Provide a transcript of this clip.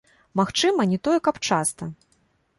Магчыма, не тое каб часта.